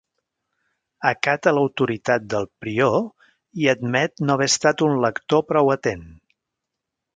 Acata l'autoritat del prior i admet no haver estat un lector prou atent.